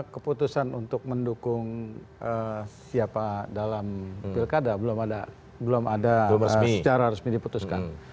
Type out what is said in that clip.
keputusan untuk mendukung siapa dalam pilkada belum ada secara resmi diputuskan